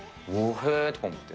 へーとか思って。